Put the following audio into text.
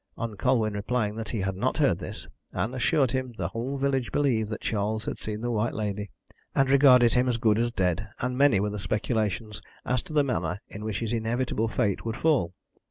On Colwyn replying that he had not heard this, Ann assured him the whole village believed that Charles had seen the White Lady, and regarded him as good as dead, and many were the speculations as to the manner in which his inevitable fate would fall.